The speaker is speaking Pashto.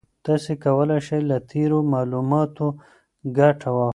تاسي کولای شئ له تېرو معلوماتو ګټه واخلئ.